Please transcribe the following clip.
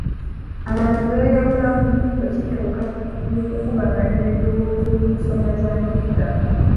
Abantu beeyawulamu bwe kituuka mukukubaganya ebirowoozo ku nsonga z'amafuta.